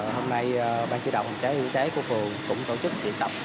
hôm nay ban chỉ đạo phòng cháy chữa cháy của phường cũng tổ chức diễn tập